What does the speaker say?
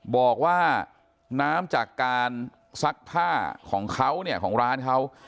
บอกว่าน้ำจากการซักผ้าของเขาเนี่ยของร้านเขา